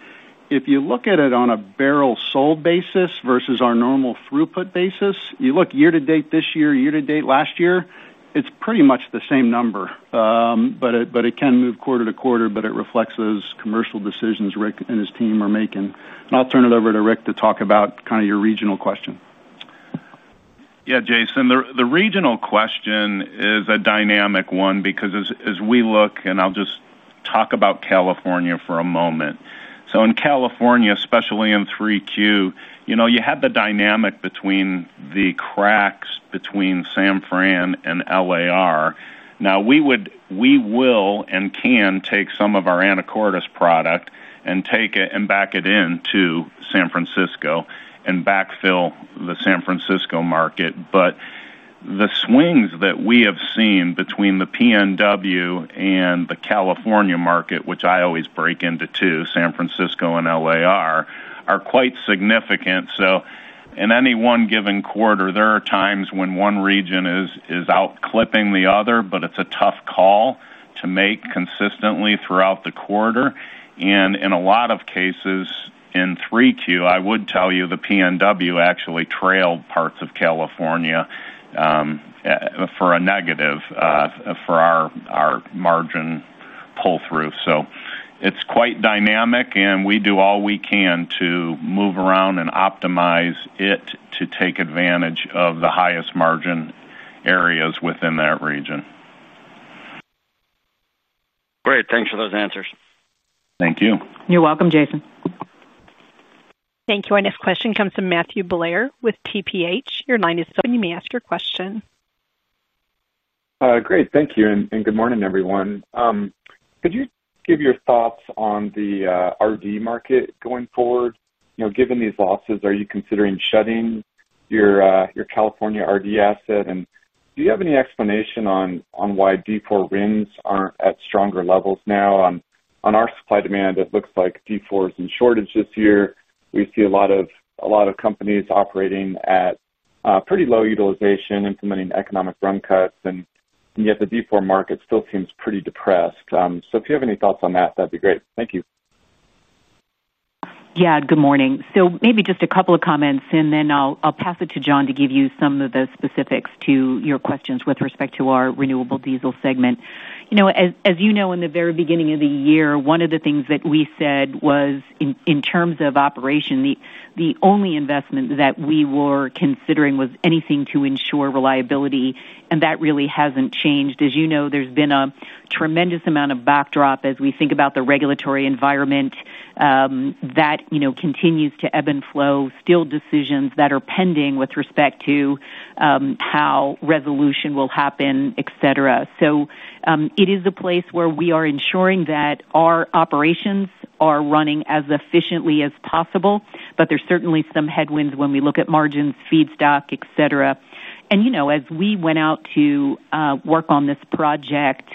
if you look at it on a barrel sold basis versus our normal throughput basis, you look year to date this year, year to date last year, it's pretty much the same number. But it can move quarter-to-quarter, but it reflects those commercial decisions Rick and his team are making. And I'll turn it over to Rick to talk about kind of your regional question. Yeah, Jason. The regional question is a dynamic one because as we look, and I'll just talk about California for a moment. So in California, especially in 3Q, you had the dynamic between the cracks between San Fran and LAR. Now, we will and can take some of our Anacortes product and take it and back it into San Francisco and backfill the San Francisco market. But the swings that we have seen between the PNW and the California market, which I always break into two, San Francisco and LAR, are quite significant. So in any one given quarter, there are times when one region is out clipping the other, but it's a tough call to make consistently throughout the quarter. And in a lot of cases, in 3Q, I would tell you the PNW actually trailed parts of California. For a negative for our margin pull-through. So it's quite dynamic, and we do all we can to move around and optimize it to take advantage of the highest margin areas within that region. Great. Thanks for those answers. Thank you. You're welcome, Jason. Thank you. Our next question comes from Matthew Blair with TPH. Your line is open. You may ask your question. Great. Thank you. And good morning, everyone. Could you give your thoughts on the RD market going forward? Given these losses, are you considering shutting your California RD asset? And do you have any explanation on why D4 RINs aren't at stronger levels now? On our supply demand, it looks like D4 is in shortage this year. We see a lot of companies operating at pretty low utilization, implementing economic run cuts, and yet the D4 market still seems pretty depressed. So if you have any thoughts on that, that'd be great. Thank you. Yeah. Good morning. So maybe just a couple of comments, and then I'll pass it to John to give you some of the specifics to your questions with respect to our renewable diesel segment. As you know, in the very beginning of the year, one of the things that we said was in terms of operation, the only investment that we were considering was anything to ensure reliability. And that really hasn't changed. As you know, there's been a tremendous amount of backdrop as we think about the regulatory environment. That continues to ebb and flow, still decisions that are pending with respect to how resolution will happen, etc. So it is a place where we are ensuring that our operations are running as efficiently as possible, but there's certainly some headwinds when we look at margins, feedstock, etc. And as we went out to work on this project,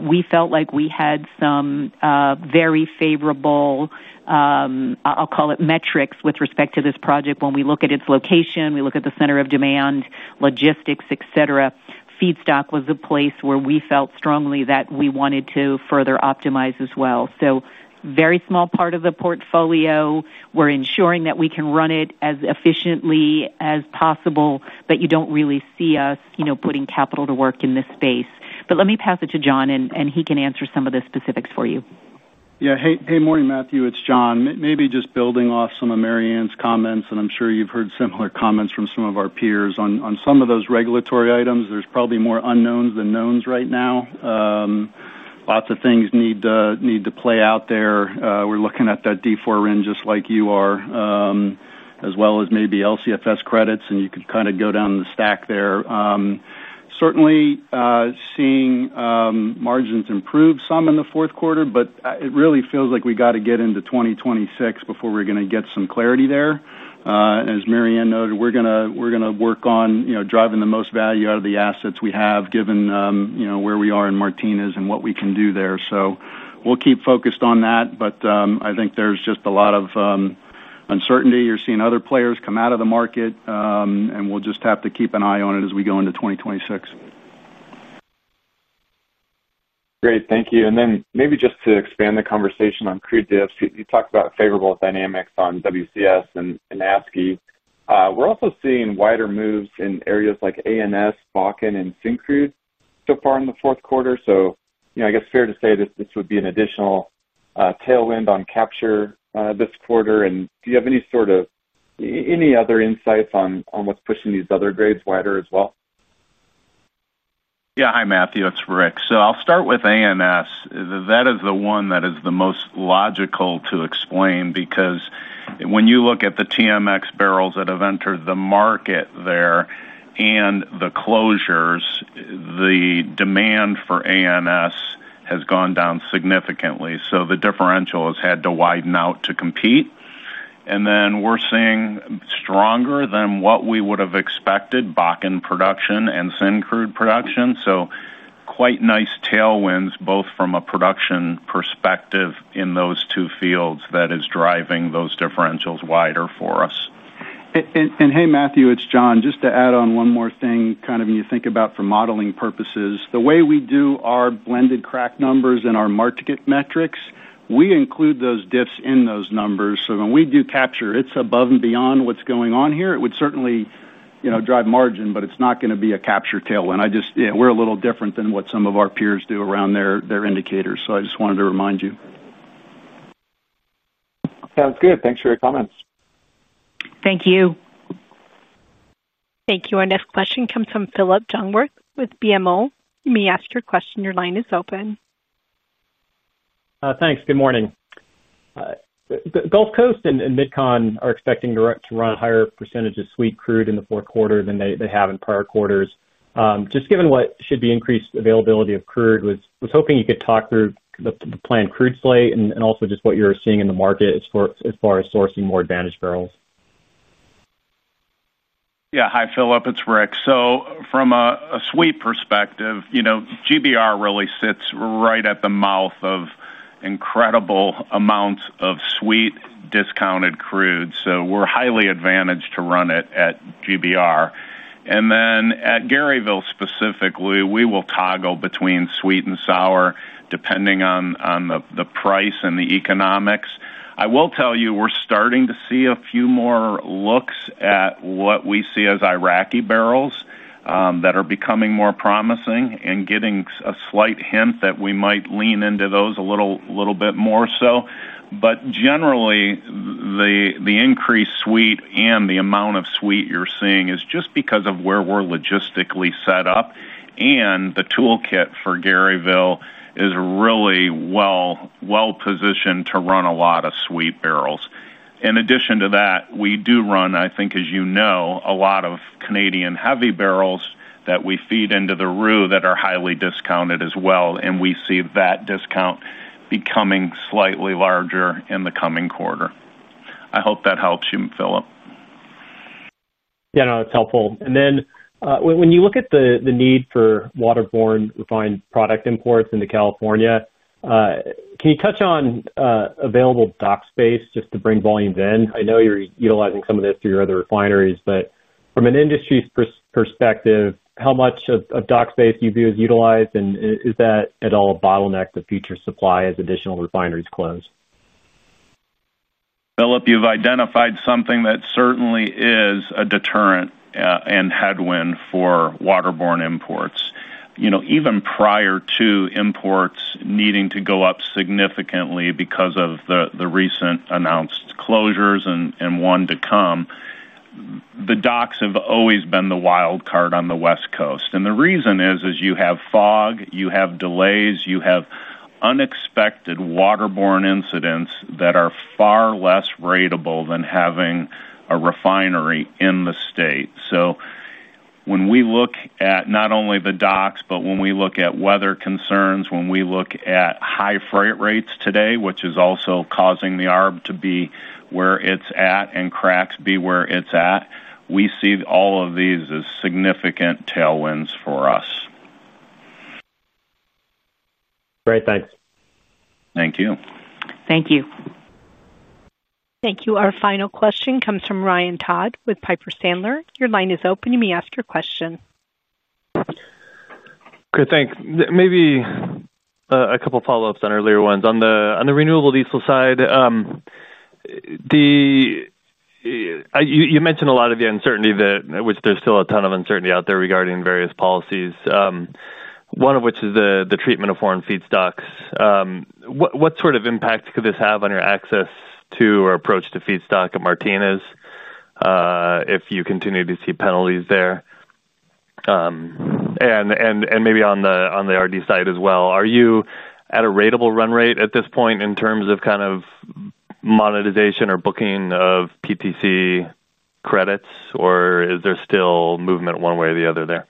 we felt like we had some very favorable, I'll call it, metrics with respect to this project. When we look at its location, we look at the center of demand, logistics, etc., feedstock was a place where we felt strongly that we wanted to further optimize as well. So very small part of the portfolio. We're ensuring that we can run it as efficiently as possible, but you don't really see us putting capital to work in this space. But let me pass it to John, and he can answer some of the specifics for you. Yeah. Hey, morning, Matthew. It's John. Maybe just building off some of Maryann's comments, and I'm sure you've heard similar comments from some of our peers on some of those regulatory items. There's probably more unknowns than knowns right now. Lots of things need to play out there. We're looking at that D4 RINs just like you are, as well as maybe LCFS credits, and you could kind of go down the stack there. Certainly seeing margins improve some in the fourth quarter, but it really feels like we got to get into 2026 before we're going to get some clarity there. As Maryann noted, we're going to work on driving the most value out of the assets we have, given where we are in Martinez and what we can do there. So we'll keep focused on that, but I think there's just a lot of uncertainty. You're seeing other players come out of the market, and we'll just have to keep an eye on it as we go into 2026. Great. Thank you. And then maybe just to expand the conversation on crude dips, you talked about favorable dynamics on WCS and Syncrude. We're also seeing wider moves in areas like ANS, Bakken, and Syncrude so far in the fourth quarter. So I guess fair to say this would be an additional tailwind on capture this quarter. And do you have any sort of other insights on what's pushing these other grades wider as well? Yeah. Hi, Matthew. It's Rick. So I'll start with ANS. That is the one that is the most logical to explain because when you look at the TMX barrels that have entered the market there and the closures, the demand for ANS has gone down significantly. So the differential has had to widen out to compete. And then we're seeing stronger than what we would have expected, Bakken production and Syncrude production. So quite nice tailwinds, both from a production perspective in those two fields that is driving those differentials wider for us. And hey, Matthew, it's John. Just to add on one more thing, kind of when you think about for modeling purposes, the way we do our blended crack numbers and our market metrics, we include those dips in those numbers. So when we do capture, it's above and beyond what's going on here. It would certainly drive margin, but it's not going to be a capture tailwind. We're a little different than what some of our peers do around their indicators. So I just wanted to remind you. Sounds good. Thanks for your comments. Thank you. Thank you. Our next question comes from Philip Jungwirth with BMO. You may ask your question. Your line is open. Thanks. Good morning. Gulf Coast and Midcon are expecting to run a higher percentage of sweet crude in the fourth quarter than they have in prior quarters. Just given what should be increased availability of crude, I was hoping you could talk through the planned crude slate and also just what you're seeing in the market as far as sourcing more advantage barrels. Yeah. Hi, Philip. It's Rick. So from a sweet perspective, GBR really sits right at the mouth of incredible amounts of sweet discounted crude. So we're highly advantaged to run it at GBR. And then at Garyville specifically, we will toggle between sweet and sour depending on the price and the economics. I will tell you, we're starting to see a few more looks at what we see as Iraqi barrels that are becoming more promising and getting a slight hint that we might lean into those a little bit more so. But generally, the increased sweet and the amount of sweet you're seeing is just because of where we're logistically set up. And the toolkit for Garyville is really well-positioned to run a lot of sweet barrels. In addition to that, we do run, I think, as you know, a lot of Canadian heavy barrels that we feed into the coker that are highly discounted as well. And we see that discount becoming slightly larger in the coming quarter. I hope that helps you, Philip. Yeah. No, it's helpful. And then when you look at the need for waterborne refined product imports into California. Can you touch on available dock space just to bring volumes in? I know you're utilizing some of this through your other refineries, but from an industry perspective, how much of dock space do you view as utilized? And is that at all a bottleneck to future supply as additional refineries close? Philip, you've identified something that certainly is a deterrent and headwind for waterborne imports. Even prior to imports needing to go up significantly because of the recent announced closures and one to come, the docks have always been the wild card on the West Coast, and the reason is, as you have fog, you have delays, you have unexpected waterborne incidents that are far less ratable than having a refinery in the state, so when we look at not only the docks, but when we look at weather concerns, when we look at high freight rates today, which is also causing the CARB to be where it's at and cracks be where it's at, we see all of these as significant tailwinds for us. Great. Thanks. Thank you. Thank you. Thank you. Our final question comes from Ryan Todd with Piper Sandler. Your line is open. You may ask your question. Good. Thanks. Maybe. A couple of follow-ups on earlier ones. On the Renewable Diesel side. You mentioned a lot of the uncertainty, which there's still a ton of uncertainty out there regarding various policies. One of which is the treatment of foreign feedstocks. What sort of impact could this have on your access to or approach to feedstock at Martinez? If you continue to see penalties there? And maybe on the RD side as well. Are you at a ratable run rate at this point in terms of kind of monetization or booking of PTC credits, or is there still movement one way or the other there?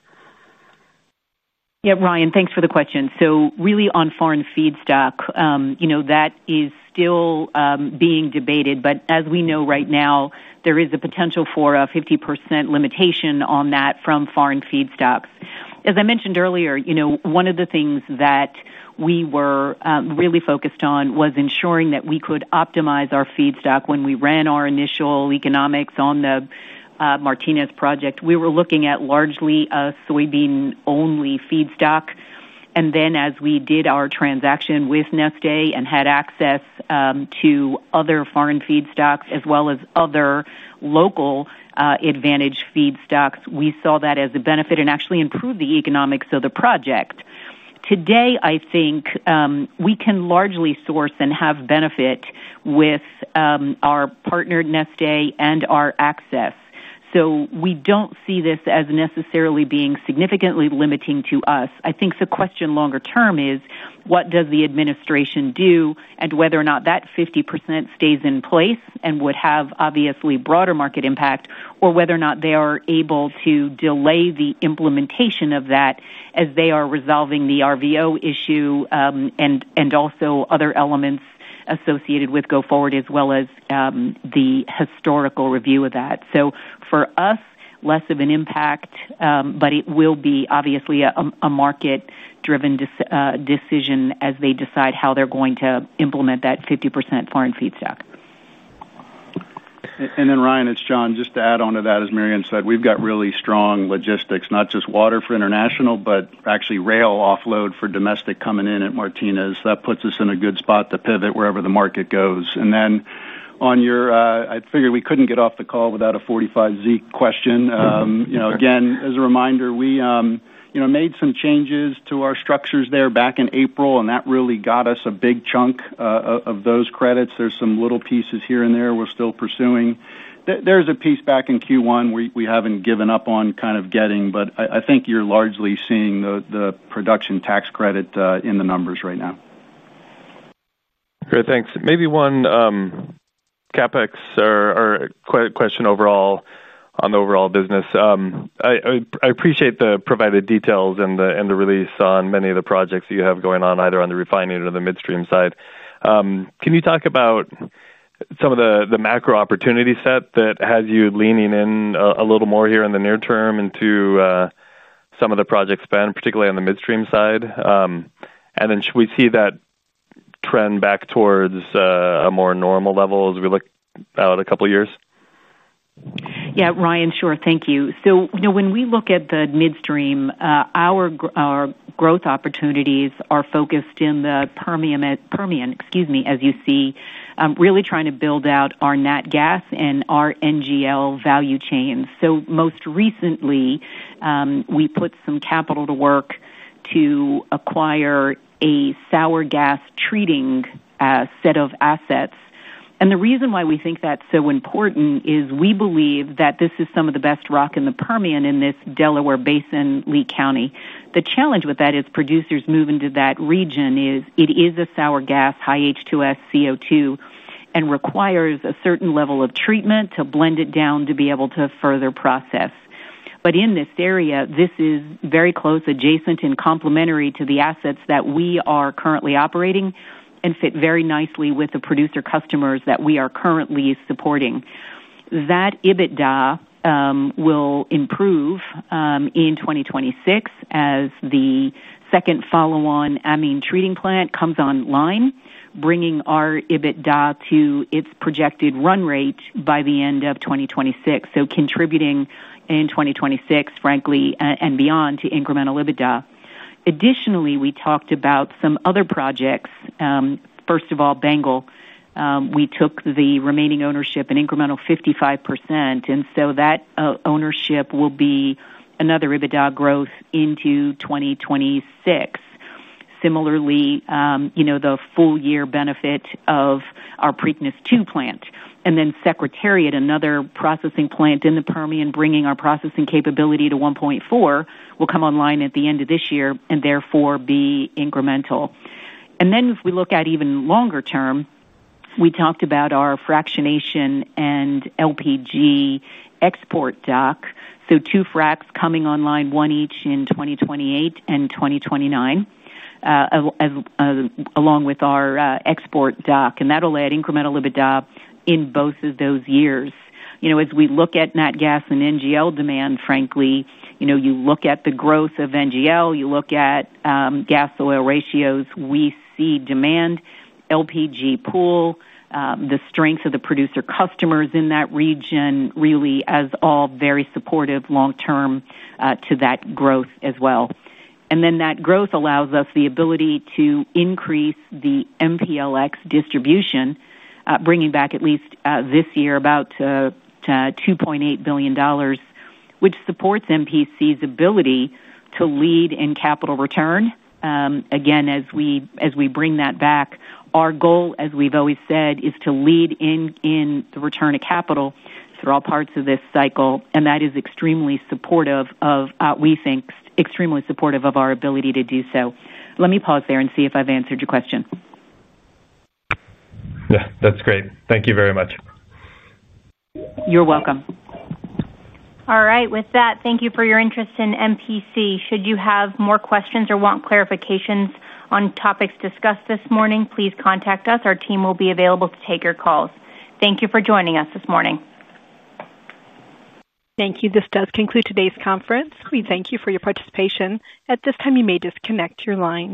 Yeah. Ryan, thanks for the question. So really on foreign feedstock, that is still being debated. But as we know right now, there is a potential for a 50% limitation on that from foreign feedstocks. As I mentioned earlier, one of the things that we were really focused on was ensuring that we could optimize our feedstock when we ran our initial economics on the Martinez project. We were looking at largely a soybean-only feedstock. And then as we did our transaction with Neste and had access to other foreign feedstocks as well as other local advantage feedstocks, we saw that as a benefit and actually improved the economics of the project. Today, I think we can largely source and have benefit with our partner Neste and our access. So we don't see this as necessarily being significantly limiting to us. I think the question longer term is, what does the administration do and whether or not that 50% stays in place and would have obviously broader market impact, or whether or not they are able to delay the implementation of that as they are resolving the RVO issue and also other elements associated with go forward as well as the historical review of that. So for us, less of an impact, but it will be obviously a market-driven decision as they decide how they're going to implement that 50% foreign feedstock. And then, Ryan, it's John. Just to add on to that, as Maryann said, we've got really strong logistics, not just water for international, but actually rail offload for domestic coming in at Martinez. That puts us in a good spot to pivot wherever the market goes. And then on your, I figured we couldn't get off the call without a 45Z question. Again, as a reminder, we made some changes to our structures there back in April, and that really got us a big chunk of those credits. There's some little pieces here and there we're still pursuing. There's a piece back in Q1 we haven't given up on kind of getting, but I think you're largely seeing the production tax credit in the numbers right now. Great. Thanks. Maybe one. CapEx or question overall on the overall business. I appreciate the provided details and the release on many of the projects that you have going on, either on the refining or the midstream side. Can you talk about some of the macro opportunity set that has you leaning in a little more here in the near term into some of the project spend, particularly on the midstream side? And then should we see that trend back towards a more normal level as we look out a couple of years? Yeah. Ryan, sure. Thank you. So when we look at the midstream, our growth opportunities are focused in the Permian, excuse me, as you see, really trying to build out our nat gas and our NGL value chains. So most recently, we put some capital to work to acquire a sour gas treating set of assets. And the reason why we think that's so important is we believe that this is some of the best rock in the Permian in this Delaware Basin, Lea County. The challenge with that is producers moving to that region is it is a sour gas, high H2S, CO2, and requires a certain level of treatment to blend it down to be able to further process. But in this area, this is very close, adjacent, and complementary to the assets that we are currently operating and fit very nicely with the producer customers that we are currently supporting. That EBITDA will improve in 2026 as the second follow-on amine treating plant comes online, bringing our EBITDA to its projected run rate by the end of 2026. So contributing in 2026, frankly, and beyond to incremental EBITDA. Additionally, we talked about some other projects. First of all, Banegas, we took the remaining ownership and incremental 55%. And so that ownership will be another EBITDA growth into 2026. Similarly, the full-year benefit of our Preakness II plant. And then Secretariat, another processing plant in the Permian, bringing our processing capability to 1.4, will come online at the end of this year and therefore be incremental. And then if we look at even longer term, we talked about our fractionation and LPG export dock. So two fracs coming online, one each in 2028 and 2029. Along with our export dock. And that'll add incremental EBITDA in both of those years. As we look at nat gas and NGL demand, frankly, you look at the growth of NGL, you look at gas oil ratios, we see demand, LPG pool, the strength of the producer customers in that region really as all very supportive long-term to that growth as well. And then that growth allows us the ability to increase the MPLX distribution, bringing back at least this year about $2.8 billion. Which supports MPC's ability to lead in capital return. Again, as we bring that back, our goal, as we've always said, is to lead in the return of capital through all parts of this cycle. And that is extremely supportive of, we think, extremely supportive of our ability to do so. Let me pause there and see if I've answered your question. Yeah. That's great. Thank you very much. You're welcome. All right. With that, thank you for your interest in MPC. Should you have more questions or want clarifications on topics discussed this morning, please contact us. Our team will be available to take your calls. Thank you for joining us this morning. Thank you. This does conclude today's conference. We thank you for your participation. At this time, you may disconnect your line.